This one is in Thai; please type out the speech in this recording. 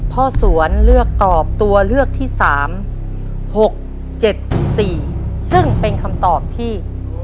พ่อสวนเลือกตอบตัวเลือกที่๓๖๗๔ซึ่งเป็นคำตอบที่